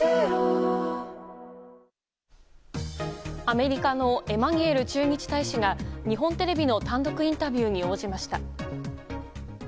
アメリカのエマニュエル駐日大使が日本テレビの単独インタビューに応じました。